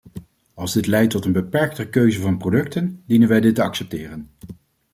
Als dit leidt tot een beperkter keuze van producten, dienen wij dit te accepteren.